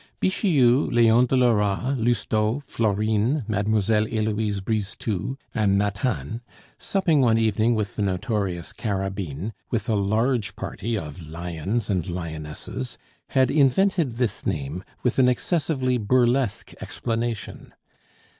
Bixiou, Leon de Lora, Lousteau, Florine, Mademoiselle Heloise Brisetout, and Nathan, supping one evening with the notorious Carabine, with a large party of lions and lionesses, had invented this name with an excessively burlesque explanation.